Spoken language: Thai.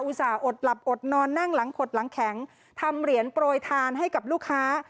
สอดหลับอดนอนนั่งหลังขดหลังแข็งทำเหรียญโปรยทานให้กับลูกค้า